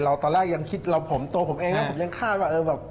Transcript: เราตอนแรกยังคิดตัวผมเองแล้วผมยังคาดว่า